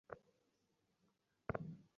তোমার কাছে কী ছিল, নাস্তার জন্য ইট?